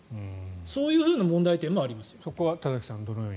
そういう問題点もあります。